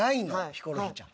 ヒコロヒーちゃん。